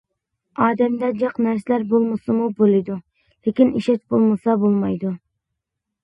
ئادەمدە جىق نەرسىلەر بولمىسىمۇ بولىدۇ، لېكىن ئىشەنچ بولمىسا بولمايدۇ.